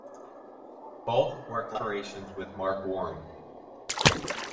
Both were collaborations with Mark Warren.